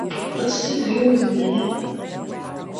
Wat stiet der hjoed yn myn aginda?